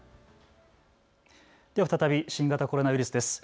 では再び新型コロナウイルスです。